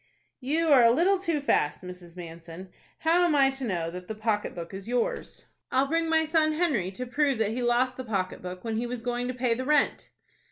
"You are a little too fast, Mrs. Manson. How am I to know that the pocket book is yours?" "I'll bring my son Henry to prove that he lost the pocket book when he was going to pay the rent."